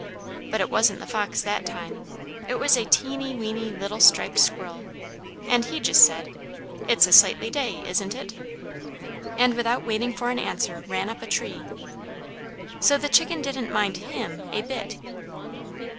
But it wasn't the fox that time; it was a teeny weeny little striped squirrel, and he just said, 'It's a sightly day, isn't it?' and, without waiting for an answer, ran up a tree. So the chicken didn't mind him a bit.